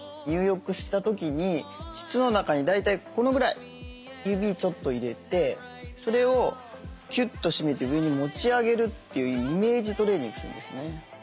入浴した時に膣の中に大体このぐらい指ちょっと入れてそれをキュッと締めて上に持ち上げるというイメージトレーニングするんですね。